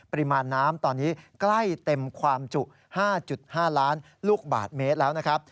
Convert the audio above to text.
ปริมาณน้ำตอนนี้ใกล้เต็มความจุ๕๕ล้านลูกบาทเมตรแล้วนะครับ